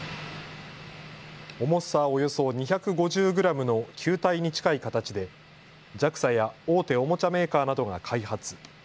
重さおよそ２５０グラムの球体に近い形でＪＡＸＡや大手おもちゃメーカーなどが開発。